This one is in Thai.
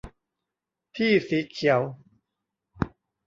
ที่สีเขียว